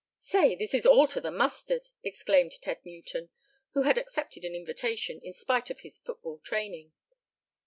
"Say, this is all to the mustard!" exclaimed Ted Newton, who had accepted an invitation, in spite of his football training.